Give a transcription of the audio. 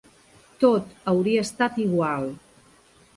Tot hauria estat igual.